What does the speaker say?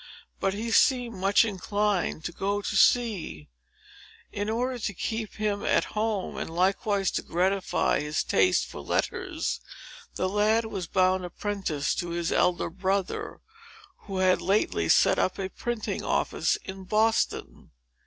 But he seemed much inclined to go to sea. In order to keep him at home, and likewise to gratify his taste for letters, the lad was bound apprentice to his elder brother, who had lately set up a printing office in Boston.